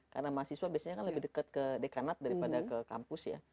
karena mahasiswa biasanya lebih dekat ke dekanat daripada ke kampus